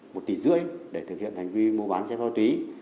một tỷ rưỡi để thực hiện hành vi mua bán trang sơ túy